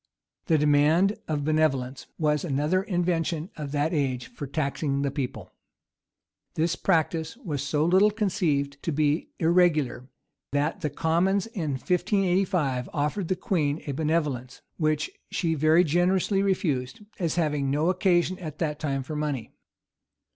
The demand of benevolence was another invention of that age for taxing the people. This practice was so little conceived to be irregular, that the commons in 1585 offered the queen a benevolence; which she very generously refused, as having no occasion at that time for money.